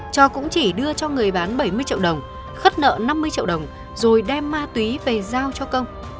cho cũng chỉ đưa cho người bán bảy mươi triệu đồng khất nợ năm mươi triệu đồng rồi đem ma túy về giao cho công